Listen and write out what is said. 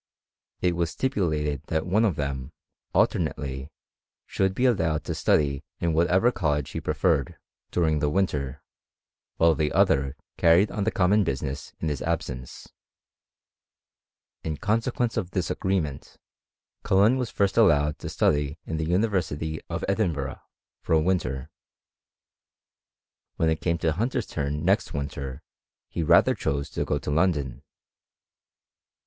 It was stipulated that one of them, alternately, should be allowed to study in whatever college he preferred, during the winter, while the other carried on the common business in his absence. In consequence of this agreement, Cullen was first allowed to study in the University of Edin burgh, for a winter. When it came to Hunter's turn next winter, he rather chose to go to London.